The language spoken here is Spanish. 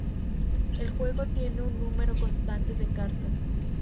El juego tiene un número constante de cartas.